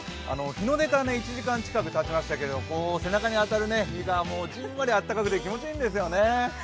日の出から１時間近くたちましたけど背中に当たる日がじんわり暖かくて気持ちいいんですよね。